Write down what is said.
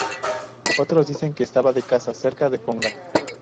Otros dicen que estaba de caza cerca de Ponga.